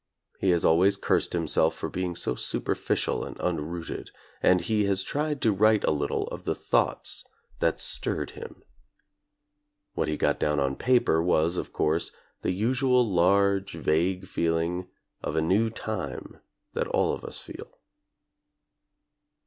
He has always cursed himself for being so superficial and unrooted, and he has tried to write a little of the thoughts that stirred him. What he got down on paper was, of course, the usual large vague feeling of a new time that all of us feel.